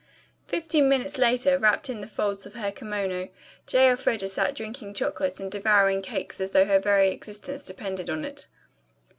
Fifteen minutes later, wrapped in the folds of her kimono, J. Elfreda sat drinking chocolate and devouring cakes as though her very existence depended upon it.